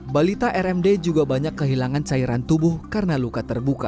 balita rmd juga banyak kehilangan cairan tubuh karena luka terbuka